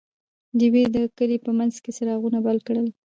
ډیوې د کلي په منځ کې څراغونه بل کړل.